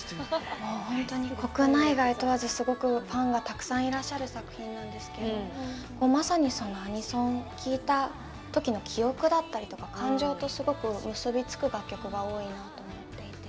もう本当に、国内外問わずファンがたくさんいらっしゃる作品なんですけどまさにアニソンを聴いた時の記憶だったり感情と結び付く楽曲が多いなと思っていて。